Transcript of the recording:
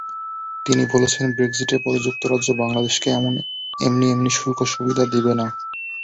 তিনি বলেছেন, ব্রেক্সিটের পরে যুক্তরাজ্য বাংলাদেশকে এমনি এমনি শুল্কমুক্ত সুবিধা দেবে না।